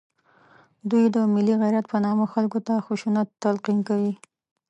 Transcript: دوی د ملي غیرت په نامه خلکو ته خشونت تلقین کوي